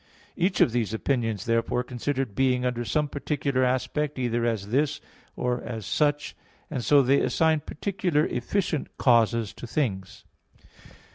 Each of these opinions, therefore, considered "being" under some particular aspect, either as "this" or as "such"; and so they assigned particular efficient causes to things.